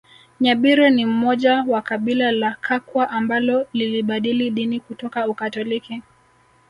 Nyabire ni mmoja wa kabila la Kakwa ambalo lilibadili dini kutoka Ukatoliki